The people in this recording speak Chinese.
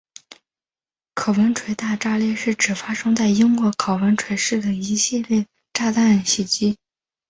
考文垂大轰炸是指发生在英国考文垂市的一系列炸弹袭击。